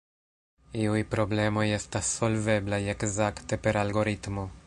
Iuj problemoj estas solveblaj ekzakte per algoritmo.